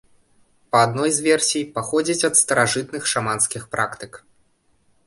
Па адной з версій, паходзіць ад старажытных шаманскіх практык.